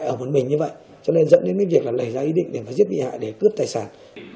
cho nên dẫn đến cái việc là lấy ra ý định để mà giết bị hại để cướp tài sản